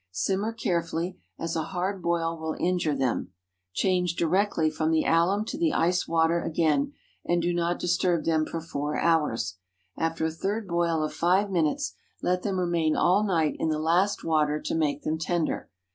Simmer carefully, as a hard boil will injure them. Change directly from the alum to the ice water again, and do not disturb them for four hours. After a third boil of five minutes, let them remain all night in the last water to make them tender.